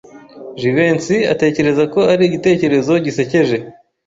Jivency atekereza ko ari igitekerezo gisekeje.